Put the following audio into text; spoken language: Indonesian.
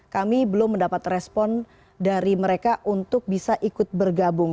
kami belum mendapat respon dari mereka untuk bisa ikut bergabung